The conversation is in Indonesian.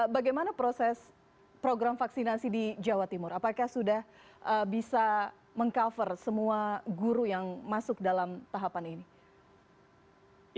bagaimana proses program vaksinasi di jawa timur apakah sudah bisa meng cover semua guru yang masuk dalam tahapan ini